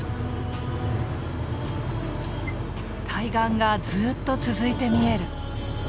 対岸がずっと続いて見える。